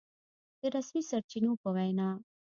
د رسمي سرچينو په وينا